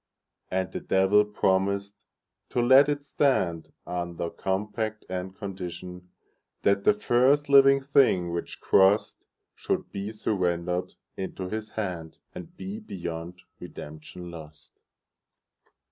And the Devil promised to let it stand, Under compact and conditionThat the first living thing which crossedShould be surrendered into his hand, And be beyond redemption lost.